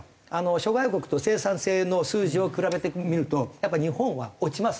諸外国と生産性の数字を比べてみるとやっぱ日本は落ちます。